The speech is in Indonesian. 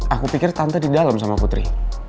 aku pikir tante di dalam sama putri